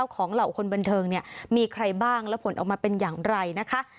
ของเหล่าคนบนเทิงมีใครบ้างแล้วผลออกมาเป็นอย่างไรนะคะ